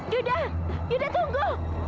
yuda yuda tunggu